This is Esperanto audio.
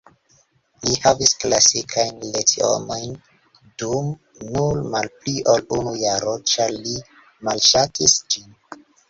Li havis klasikajn lecionojn dum nur malpli ol unu jaro ĉar li malŝatis ĝin.